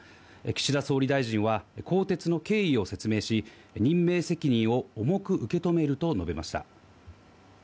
岸田総理大臣は更迭の経緯を説明し、任命責任を重く受け止めると述べました。